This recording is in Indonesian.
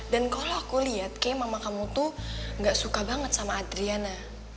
dan kalau aku lihat kayaknya mama kamu tuh gak suka banget sama adriana